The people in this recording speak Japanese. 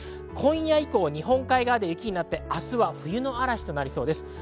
今夜以降、日本海側で雪になって明日は冬の嵐となりそうです。